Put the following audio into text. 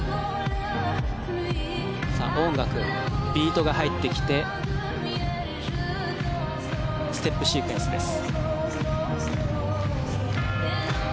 音楽、ビートが入ってきてステップシークエンスです。